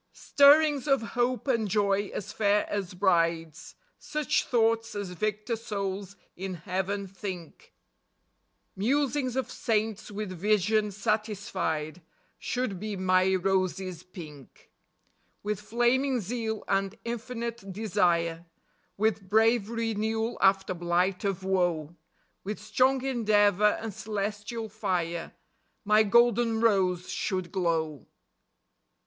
Stirrings of hope and joy as fair as brides ; Such thoughts as victor souls in Heaven think ; 99 100 MORNING ROSES. Musings of saints with vision satisfied Should be my roses pink. With flaming zeal and infinite desire ; With brave renewal after blight of woe ; With strong endeavor and celestial fire, My golden rose should glow.